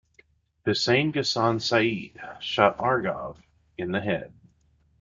Hussein Ghassan Said shot Argov in the head.